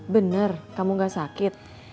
bener kamu nggak sakit